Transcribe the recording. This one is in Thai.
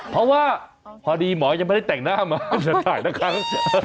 เพราะว่าพอดีหมอยังไม่ได้แต่งหน้ามาแต่ถ่ายเท่าไหร่ครั้ง